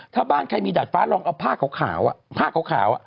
ถ้าบ้านใครมีดาดฟ้าลองเอาผ้าขาวผ้าขาว